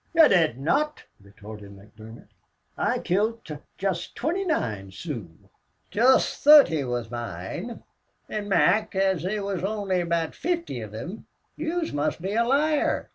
"Ye DID not," retorted McDermott. "I kilt jist twinty nine Sooz!" "Jist thorty wus moine. An', Mac, as they wus only about fifthy of thim, yez must be a liar."